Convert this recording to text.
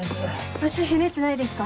足ひねってないですか？